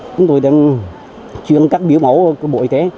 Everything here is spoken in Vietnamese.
chúng tôi đang chuyển các biểu mẫu của bộ y tế